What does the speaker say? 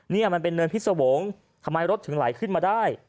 นี่มันเป็นเนินพิษวงศ์ทำไมรถถึงไหลขึ้นมาได้